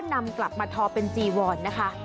นำกลับมาทอเป็นจีวอนนะคะ